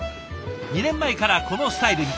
２年前からこのスタイルに。